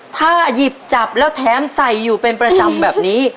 ถ้าหยิบจับแล้วแถมใส่อยู่เป็นประจำแบบนี้